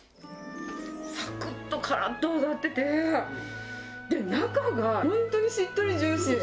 さくっとからっと揚がってて、中が本当にしっとりジューシー。